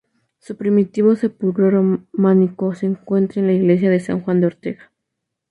Su primitivo sepulcro románico se encuentra en la iglesia de San Juan de Ortega.